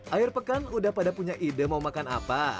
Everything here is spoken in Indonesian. akhir pekan udah pada punya ide mau makan apa